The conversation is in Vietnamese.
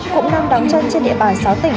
cũng đang đóng chân trên địa bàn sáu tỉnh